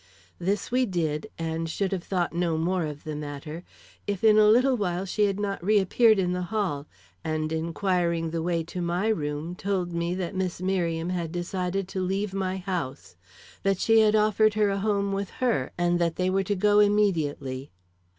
This we did and should have thought no more of the matter, if in a little while she had not reappeared in the hall, and, inquiring the way to my room, told me that Miss Merriam had decided to leave my house; that she had offered her a home with her, and that they were to go immediately.